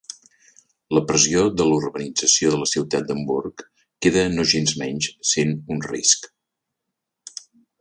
La pressió de la urbanització de la ciutat d'Hamburg queda nogensmenys sent un risc.